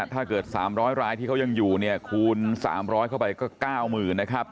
ถ้าเกิด๓๐๐รายที่เขายังอยู่เนี่ยคูณ๓๐๐เข้าไปก็๙๐๐นะครับ